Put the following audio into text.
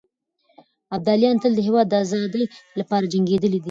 ابداليان تل د هېواد د ازادۍ لپاره جنګېدلي دي.